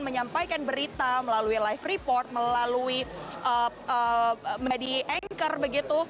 menyampaikan berita melalui live report melalui menjadi anchor begitu